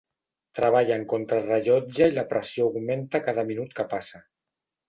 Treballen contra rellotge i la pressió augmenta cada minut que passa.